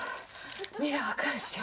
見りゃ分かるでしょ。